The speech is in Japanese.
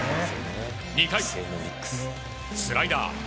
２回、スライダー